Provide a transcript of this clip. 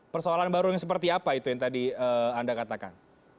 persoalan baru yang seperti apa itu yang tadi anda katakan